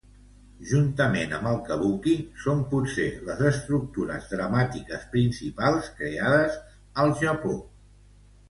Juntament amb el kabuki, són potser les estructures dramàtiques principals creades al Japó.